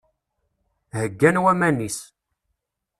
Heggan waman-is.